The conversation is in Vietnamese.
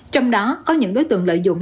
trong đó có những đối tượng lợi dụng